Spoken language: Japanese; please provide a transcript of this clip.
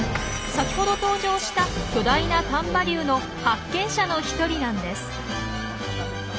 先ほど登場した巨大な丹波竜の発見者の一人なんです。